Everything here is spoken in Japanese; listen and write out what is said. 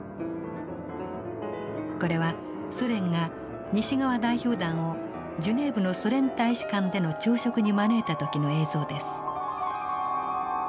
これはソ連が西側代表団をジュネーブのソ連大使館での朝食に招いた時の映像です。